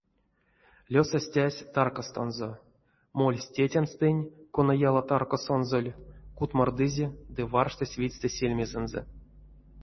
Лёса стясь таркастонзо, мольсь, тетянстэнь, кона яла таркасонзоль, кутмордызе ды варштась витьстэ сельмезэнзэ.